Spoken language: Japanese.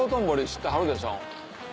知ってはるでしょ？